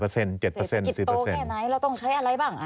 เศรษฐกิจโตแค่ไหนเราต้องใช้อะไรบ้าง